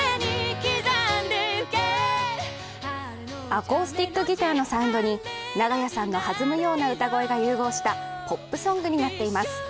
アコースティックギターのサウンドに長屋さんの弾むような歌声が融合したポップソングになっています。